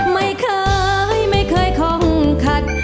ไม่เคยไม่เคยค่องขัด